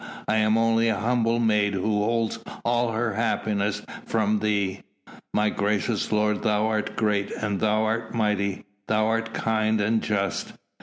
I am only a humble maid who holds all her happiness from thee! My gracious lord thou art great, and thou art mighty, thou art kind and just.